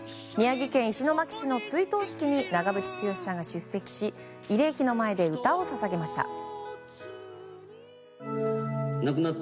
宮城県南三陸町の追悼式に長渕剛さんが出席し慰霊碑の前で歌を捧げました。